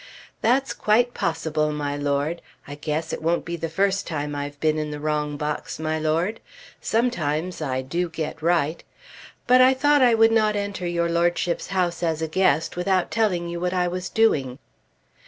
"That's quite possible, my Lord. I guess, it won't be the first time I've been in the wrong box, my Lord. Sometimes I do get right. But I thought I would not enter your lordship's house as a guest without telling you what I was doing."